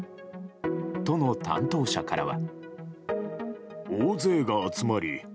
都の担当者からは。